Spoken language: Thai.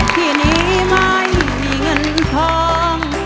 ที่นี้ไม่มีเงินทอง